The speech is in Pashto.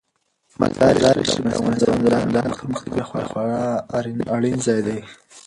مزارشریف د افغانستان د دوامداره پرمختګ لپاره خورا اړین ځای دی.